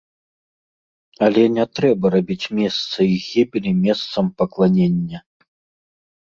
Але не трэба рабіць месца іх гібелі месцам пакланення.